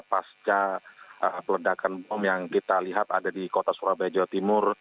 pasca peledakan bom yang kita lihat ada di kota surabaya jawa timur